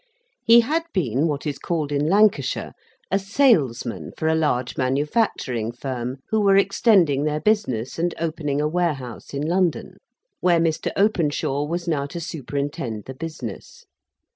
He had been, what is called in Lancashire, a Salesman for a large manufacturing firm, who were extending their business, and opening a warehouse in London; where Mr. Openshaw was now to superintend the business.